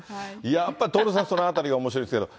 やっぱり徹さん、そのあたりがおもしろいですけど。